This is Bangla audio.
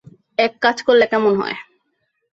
এক কাজ করলে কেমন হয়?